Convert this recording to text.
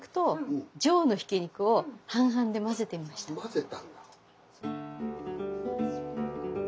混ぜたんだ。